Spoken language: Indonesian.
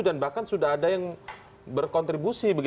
dan bahkan sudah ada yang berkontribusi